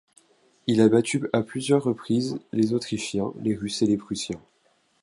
Il a battu à plusieurs reprises les Autrichiens, les Russes et les Prussiens.